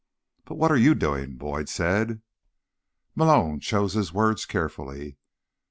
"But what are you doing?" Boyd said. Malone chose his words carefully.